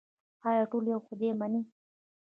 آیا ټول یو خدای مني؟